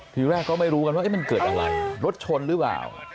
ทีแรกก็ไม่รู้กันว่ามันเกิดอะไรรถชนหรือเปล่า